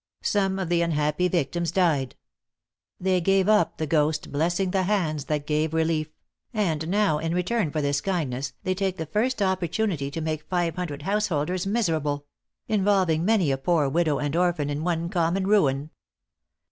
Some of the unhappy victims died. They gave up the ghost blessing the hands that gave relief; and now in return for this kindness, they take the first opportunity to make five hundred householders miserable; involving many a poor widow and orphan in one common ruin.